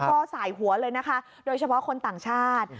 ก็สายหัวเลยนะคะโดยเฉพาะคนต่างชาติ